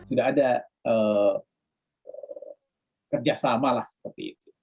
sudah ada kerjasama lah seperti itu